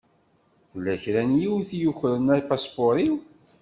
Tella kra n yiwet i yukren apaspuṛ-iw.